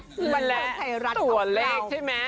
ก็เป็นไทยรัตท์ของเรา